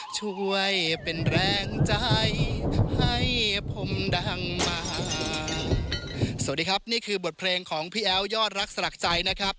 สวัสดีครับนี่คือบทเพลงของพี่แอ๋วยอดรักษรักใจนะครับ